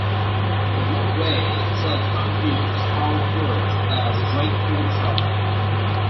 The roadway itself continues southwards as Drakeford Drive.